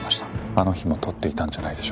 あの日も録っていたんじゃないでしょうか。